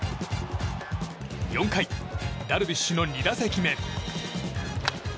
４回、ダルビッシュの２打席目。